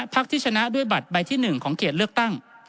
ที่ชนะด้วยบัตรใบที่๑ของเขตเลือกตั้ง